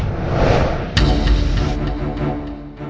มีปัญหาที่น่าห่วง